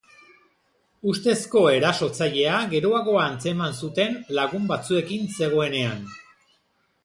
Ustezko erasotzailea geroago atzeman zuten, lagun batzuekin zegoenean.